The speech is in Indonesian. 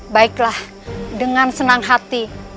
baiklah dengan senang hati